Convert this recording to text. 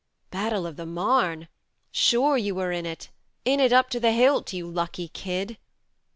"Battle of the Marne? Sure you were in it in it up to the hilt, you lucky kid